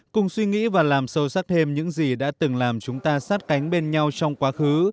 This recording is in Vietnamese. cùng suy nghĩ và làm sâu sắc thêm những gì đã từng làm chúng ta sát cánh bên nhau trong quá khứ